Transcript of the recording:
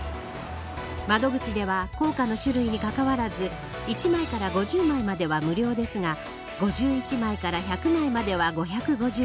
窓口では硬貨の種類にかかわらず１枚から５０枚までは無料ですが５１枚から１００枚までは５５０円。